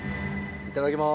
いただきます。